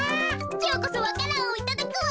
きょうこそわか蘭をいただくわ。